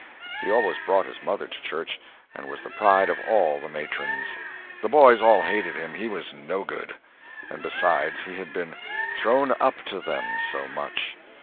He always brought his mother to church, and was the pride of all the matrons. The boys all hated him, he was so good. And besides, he had been "thrown up to them" so much.